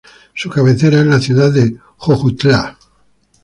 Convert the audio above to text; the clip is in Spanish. Su cabecera es la ciudad de Jojutla.